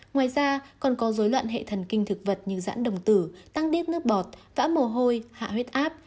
ngoài ra còn có dối loạn hệ thần kinh thực vật như giãn đồng tử tăng điếc nước bọt vã mồ hôi hạ huyết áp